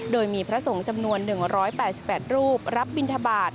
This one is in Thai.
โดยมีพระสงฆ์จำนวน๑๘๘รูปรับบินทบาท